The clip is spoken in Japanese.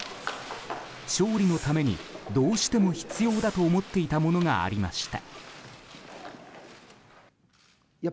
勝利のためにどうしても必要だと思っていたものがありました。